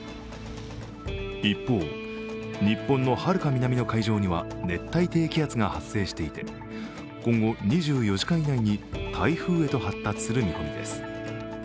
一方、日本のはるか南の海上には熱帯低気圧が発生していて、今後２４時間以内に台風へと発達する見込みです。